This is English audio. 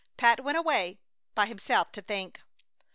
Pat went away by himself to think.